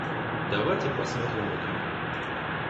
Давайте посмотрим в окно!